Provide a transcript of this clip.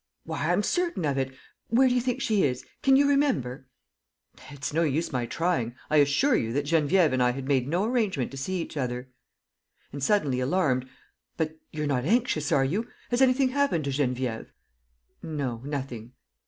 "Why, I'm certain of it. Where do you think she is? Can you remember? ..." "It's no use my trying. I assure you that Geneviève and I had made no arrangement to see each other." And, suddenly alarmed: "But you're not anxious, are you? Has anything happened to Geneviève?" "No, nothing."